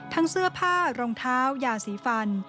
เสื้อผ้ารองเท้ายาสีฟัน